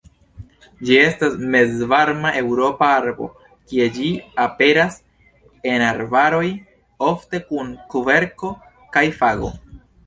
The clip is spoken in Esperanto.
Ĝi estas Mezvarma-Eŭropa arbo, kie ĝi aperas en arbaroj ofte kun kverko kaj fago.